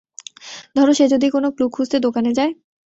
ধরো সে যদি কোনো ক্লু খুঁজতে দোকানে যায়?